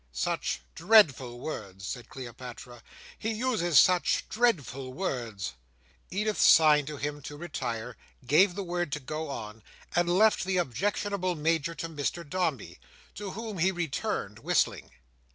"Such dreadful words," said Cleopatra. "He uses such dreadful words!" Edith signed to him to retire, gave the word to go on, and left the objectionable Major to Mr Dombey. To whom he returned, whistling.